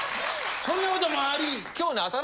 そんなこともあり。